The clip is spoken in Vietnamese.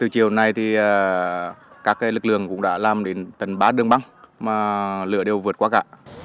các lực lượng cũng đã làm đến tầng ba đường băng mà lửa đều vượt qua cả